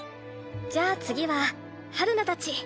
じゃあ次は陽菜たち。